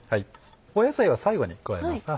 野菜は最後に加えます。